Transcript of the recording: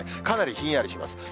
かなりひんやりします。